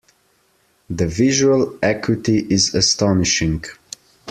The visual acuity is astonishing.